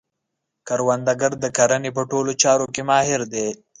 کروندګر د کرنې په ټولو چارو کې ماهر دی